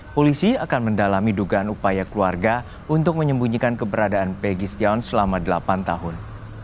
polisi akan mendalami dugaan upaya keluarga untuk menyembunyikan keberadaan peggy stion selama delapan tahun